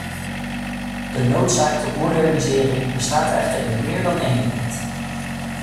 De noodzaak tot modernisering bestaat echter in meer dan één land.